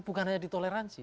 bukan hanya ditoleransi